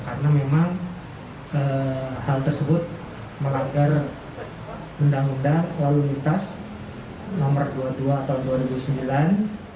karena memang hal tersebut melanggar undang undang lalu lintas no dua puluh dua tahun dua ribu sembilan